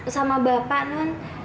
sama bapak nan